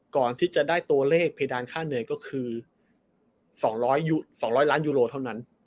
ก่อนที่จะได้ตัวเลขเพดานค่าเหนื่อยก็คือ๒๐๐ล้านยูโรเท่านั้น